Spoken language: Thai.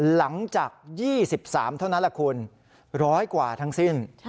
หลังจาก๒๓เท่านั้นแหละคุณร้อยกว่าทั้งสิ้น